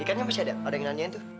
ikannya masih ada orang yang nanyain tuh